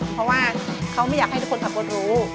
เพราะว่าเขาไม่อยากให้ทุกคนขับรถรู้